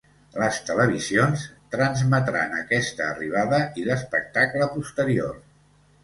Les televisions transmetran aquesta arribada i l’espectacle posterior.